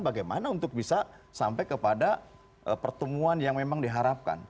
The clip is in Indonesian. bagaimana untuk bisa sampai kepada pertemuan yang memang diharapkan